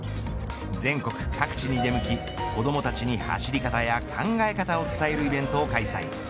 全国各地に出向き子どもたちに走り方や考え方を伝えるイベントを開催。